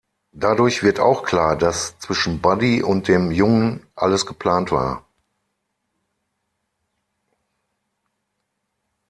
Dadurch wird auch klar, dass zwischen Buddy und dem Jungen alles geplant war.